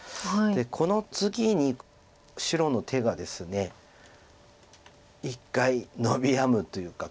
この次に白の手がですね一回のびやむというか。